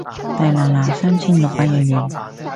大拿拿三千六百日圓